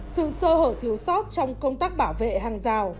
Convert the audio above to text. sự sơ hở thiếu sót trong công tác bảo vệ hàng rào